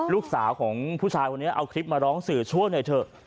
ลูกสาวของผู้ชายคนนี้เอาคลิปมาร้องสื่อช่วยหน่อยเถอะ